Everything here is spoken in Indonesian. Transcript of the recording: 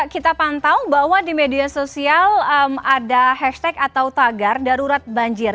kita pantau bahwa di media sosial ada hashtag atau tagar darurat banjir